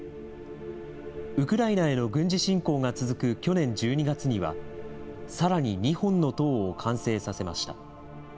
ウクライナへの軍事侵攻が続く去年１２月には、さらに２本の塔を完成させました。